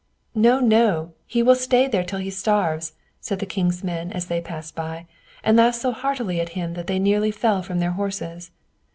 "No, no! he will stay there till he starves," said the king's men as they passed by, and laughed so heartily at him that they nearly fell from their horses.